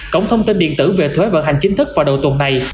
cổng thông tin điện tử về thuế vận hành chính thức vào đầu tuần này